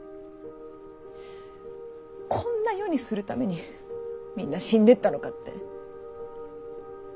こんな世にするためにみんな死んでったのかって。